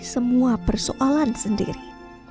semua persoalan sendiri